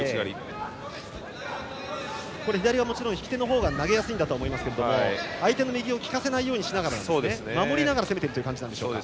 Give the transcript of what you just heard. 左はもちろん引き手の方が投げやすいんだと思いますけれども相手の右を効かせないようにしながら守りながら攻めている感じですか。